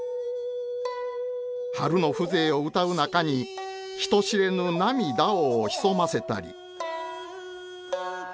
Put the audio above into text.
春の風情をうたう中に人知れぬ涙を潜ませたり。